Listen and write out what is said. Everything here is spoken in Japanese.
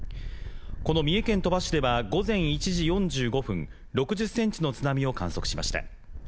この三重県鳥羽市では午前１時４５分６０センチの津波を観測しました